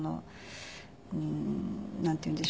なんていうんでしょう。